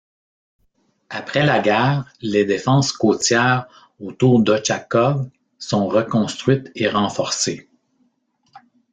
Après la guerre, les défenses côtières autour d'Otchakov sont reconstruites et renforcées.